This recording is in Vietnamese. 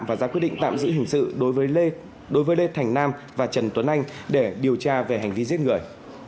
và ra quyết định tạm giữ hình sự đối với lê thành nam và trần tuấn anh để điều tra về hành vi giết người